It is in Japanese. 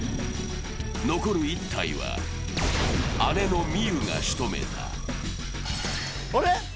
残る１体は姉の望結がしとめた。